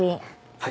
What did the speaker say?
はい！